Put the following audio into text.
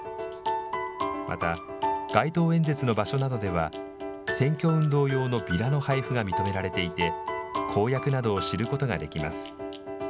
また、街頭演説の場所などでは、選挙運動用のビラの配布が認められていて、公約などを知ることができます。